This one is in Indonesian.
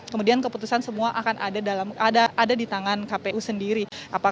kemudian keputusan semua akan ada di tangan kpu sendiri